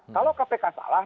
kalau kpk salah